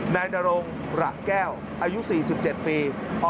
นายนรงระแก้วอายุ๔๗ปี